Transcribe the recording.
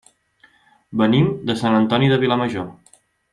Venim de Sant Antoni de Vilamajor.